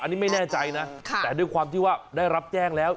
อันนี้ไม่แน่ใจนะแต่ด้วยความที่ว่าได้รับแจ้งแล้ว